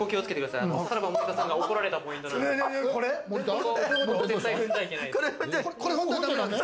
さらば・森田さんが怒られたポイントなんで。